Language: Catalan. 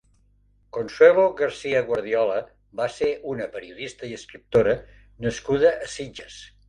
Consuelo García Guardiola va ser una periodista i escriptora nascuda a Sitges.